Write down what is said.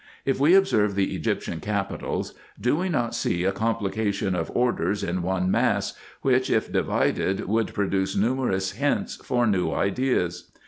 If we observe the Egyptian capitals, do we not see a complication of orders in one mass, which, if divided, would produce numerous hints for new ideas